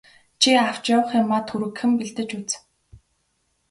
Чи авч явах юмаа түргэхэн бэлдэж үз.